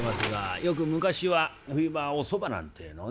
よく昔は冬場はおそばなんてえのをね